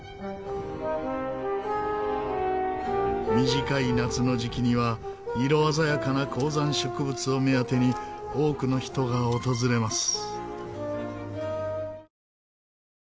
短い夏の時期には色鮮やかな高山植物を目当てに多くの人が訪れます。